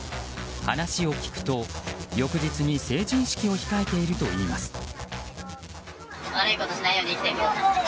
話を聞くと、翌日に成人式を控えているといいます。